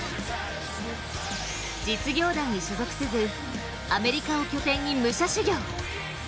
実業団に所属せず、アメリカを拠点に武者修行。